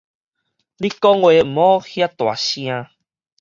你講話毋好遐大聲